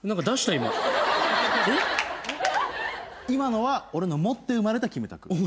今のは俺の持って生まれたキムタク。